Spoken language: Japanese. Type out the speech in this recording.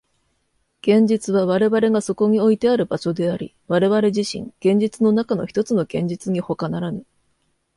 現実は我々がそこにおいてある場所であり、我々自身、現実の中のひとつの現実にほかならぬ。